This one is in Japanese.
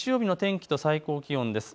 土曜日、日曜日の天気と最高気温です。